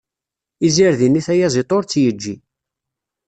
Izirdi-nni tayaziḍt ur tt-yeǧǧi.